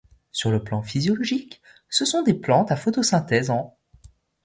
Sur le plan physiologique, ce sont des plantes à photosynthèse en.